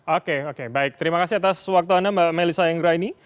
oke oke baik terima kasih atas waktu anda mbak melisa anggra ini